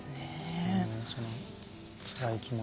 そのつらい気持ち。